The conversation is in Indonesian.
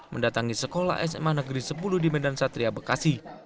mendatangi sekolah sma negeri sepuluh di medan satria bekasi